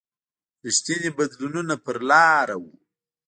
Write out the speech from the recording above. رښتیني بدلونونه پر لاره و.